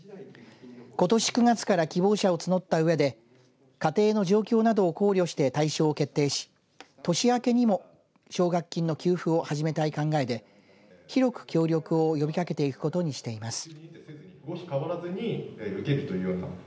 ことし９月から希望者を募ったうえで家庭の状況などを考慮して対象を決定し年明けにも奨学金の給付を始めたい考えで広く協力を呼びかけていくことにしています。